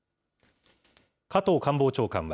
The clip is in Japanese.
加藤官房長官は。